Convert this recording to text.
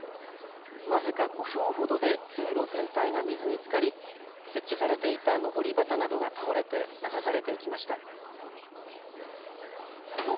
僅か５分ほどで通路全体が水につかり設置されていたのぼり旗などが倒れて流されていきました。